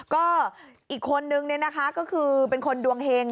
ก็อีกคนนึงเนี่ยนะคะก็คือเป็นคนดวงเฮง